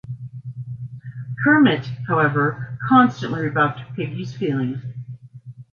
Kermit, however, constantly rebuffed Piggy's feelings.